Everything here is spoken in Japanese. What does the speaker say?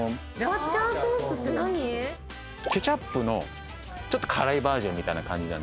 ケチャップのちょっと辛いバージョンみたいな。